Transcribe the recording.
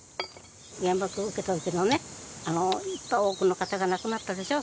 原爆を受けたときの、多くの方が亡くなったでしょう。